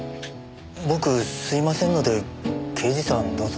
僕吸いませんので刑事さんどうぞ。